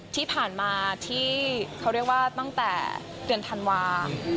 ที่ผ่านมาที่เขาเรียกว่าตั้งแต่เดือนธันวาคม